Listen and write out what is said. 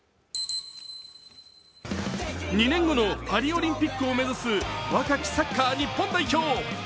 ２年後のパリオリンピックを目指す若きサッカー日本代表。